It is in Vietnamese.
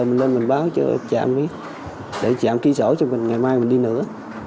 mình lên mình báo cho chạm để chạm ký sổ cho mình ngày mai mình đi nữa